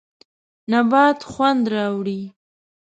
نبات خوند راوړي.